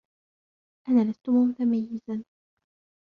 أنا لست متميزا.